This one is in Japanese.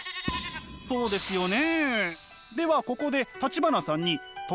そうですよね。